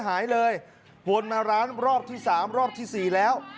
หายเลยวนมาร้านรอบที่๓รอบที่๔แล้ว